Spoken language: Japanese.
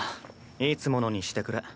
いつものにしてくれ。